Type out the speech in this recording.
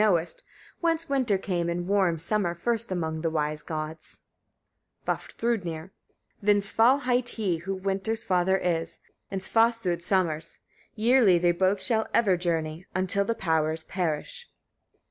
knowest, whence winter came, and warm summer first among the wise gods? Vafthrûdnir. 27. Vindsval hight he, who winter's father is, and Svâsud summer's; yearly they both shall ever journey, until the powers perish.